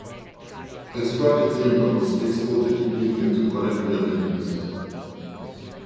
Extracted timber was exported to India to collect revenues.